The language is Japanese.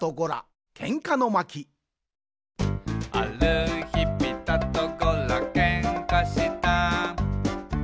「あるひピタとゴラけんかした」